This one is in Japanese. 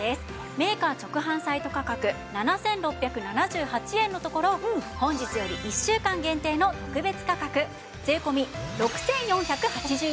メーカー直販サイト価格７６７８円のところ本日より１週間限定の特別価格税込６４８０円です。